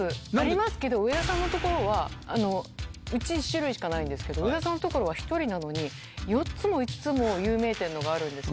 ありますけど、上田さんのところはうち１種類しかないんですけど、上田さんのところは１人なのに、４つも５つも有名店のがあるんですよ。